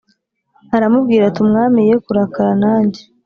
Aramubwira ati Umwami ye kurakara nanjye